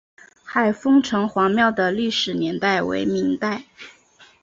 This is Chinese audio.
海丰城隍庙的历史年代为明代。